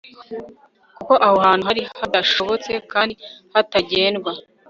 kuko aho hantu hari hadashobotse kandi hatagendwa